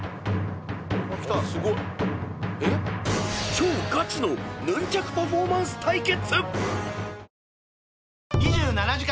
［超ガチのヌンチャクパフォーマンス対決］